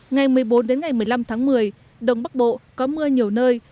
ngày một mươi bốn đến ngày một mươi năm tháng một mươi đông bắc bộ có mưa nhiều nơi